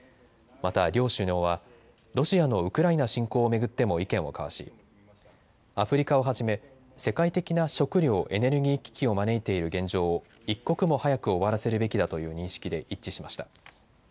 また両首脳はロシアのウクライナ侵攻を巡っても意見を交わしアフリカをはじめ世界的な食料・エネルギー危機を招いている現状を一刻も早く終わらせるべきだという認識で一致しました。